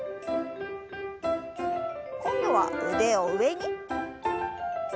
今度は腕を上に。